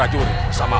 aku perintahkan kepada